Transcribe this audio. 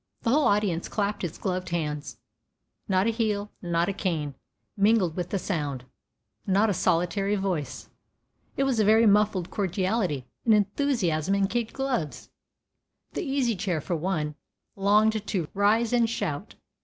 The whole audience clapped its gloved hands. Not a heel, not a cane, mingled with the sound, not a solitary voice. It was a very muffled cordiality, an enthusiasm in kid gloves. The Easy Chair, for one, longed to rise and shout.